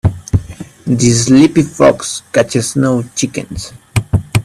The sleepy fox catches no chickens.